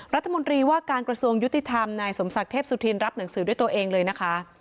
รัฐมนตรีว่าการกระทรวงยุติธรรมนายสมศักดิ์เทพสุธินรับหนังสือด้วยตัวเองเลยนะคะ